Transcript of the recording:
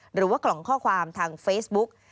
หรือว่ากล่องข้อความทางเฟซบุ๊ก